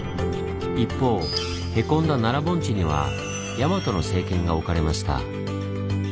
一方へこんだ奈良盆地には大和の政権が置かれました。